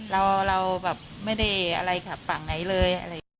เราแบบไม่ได้อะไรขับฝั่งไหนเลย